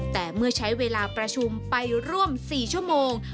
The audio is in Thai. แต่เมื่อใช้เวลาประชุมไปร่วม๔ชั่วโมง